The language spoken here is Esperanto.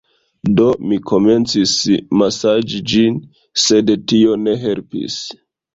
Do, mi komencis masaĝi ĝin sed tio ne helpis